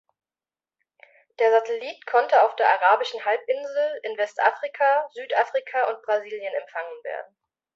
Der Satellit konnte auf der arabischen Halbinsel, in Westafrika, Südafrika und Brasilien empfangen werden.